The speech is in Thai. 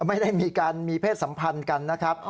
ไม่ได้มีการมีเพศสัมพันธ์กันนะครับ